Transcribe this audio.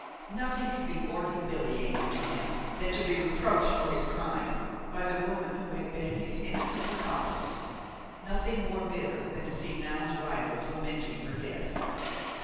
Nothing could be more humiliating to him than to be reproached for his crime by the woman who had been his innocent accomplice; nothing more bitter than to see Noun's rival lamenting her death.